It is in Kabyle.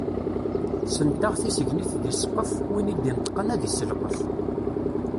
Ssentaɣ tisegnit deg ssqef, win i d-ineṭqen ad isselqef.